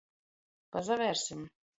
Pasavērsim?